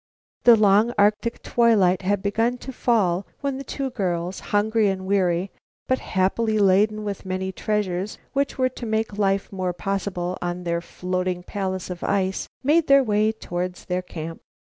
The long Arctic twilight had begun to fall when the two girls, hungry and weary, but happily laden with many treasures which were to make life more possible on their floating palace of ice, made their way toward their camp.